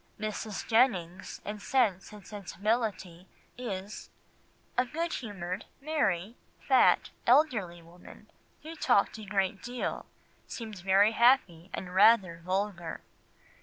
Mrs. Jennings, in Sense and Sensibility, is "a good humoured, merry, fat, elderly woman, who talked a great deal, seemed very happy and rather vulgar."